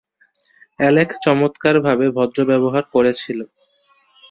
Alec চমৎকার ভাবে ভদ্র ব্যবহার করেছিল।